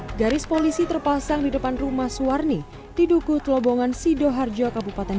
hai garis polisi terpasang di depan rumah suwarni didukuh telobongan sido harjo kabupaten